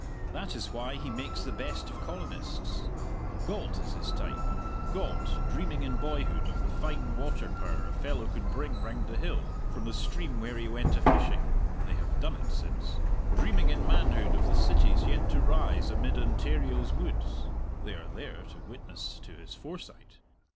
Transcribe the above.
That is why he makes the best of colonists. Galt is his type Galt, dreaming in boyhood of the fine water power a fellow could bring round the hill, from the stream where he went a fishing (they have done it since), dreaming in manhood of the cities yet to rise amid Ontario's woods (they are there to witness to his foresight).